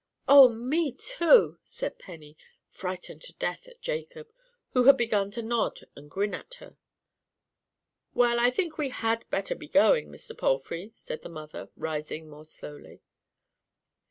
"Oh, me too," said Penny, frightened to death at Jacob, who had begun to nod and grin at her. "Well, I think we had better be going, Mr. Palfrey," said the mother, rising more slowly.